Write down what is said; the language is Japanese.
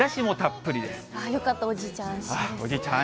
よかった、おじいちゃん